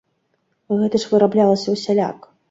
Гэта ж выраблялася ўсяляк!